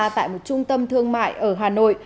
tại một trung tâm thương mại ở hà nội